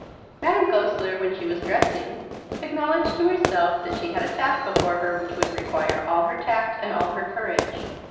Madame Goesler, when she was dressing, acknowledged to herself that she had a task before her which would require all her tact and all her courage.